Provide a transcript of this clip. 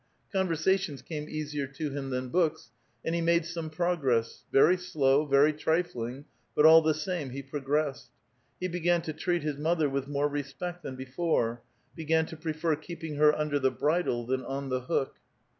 Conversations came easier to him than books ; and he made some progress, very slow, very trifling, but all the same he progressed. He began to treat his mother with more respect than before ; began to prefer keeping her under the bridle than on the hook.